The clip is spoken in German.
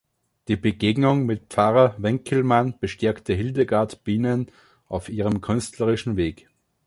Die Begegnung mit Pfarrer Winkelmann bestärkte Hildegard Bienen auf ihrem künstlerischen Weg.